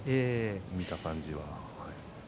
見た感じは。